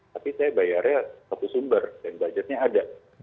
tapi saya bayarnya satu sumber dan budgetnya ada